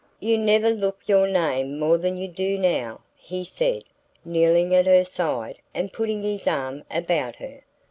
"You never looked your name more than you do now," he said, kneeling at her side and putting his arm about her.